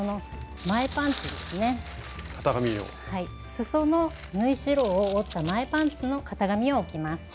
すその縫い代を折った前パンツの型紙を置きます。